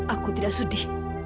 aku tidak sudi